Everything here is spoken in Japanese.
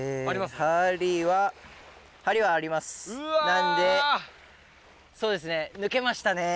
なんでそうですね抜けましたねぇ。